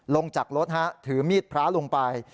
ลงจากรถถือมีดพระลงไป